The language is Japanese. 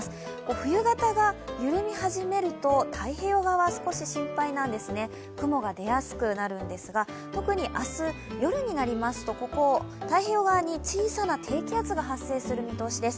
冬型が緩み始めると太平洋側、少し心配なんですね、雲が出やすくなるんですが、特に明日、夜になりますと、ここ太平洋側に小さな低気圧が発生する見通しです。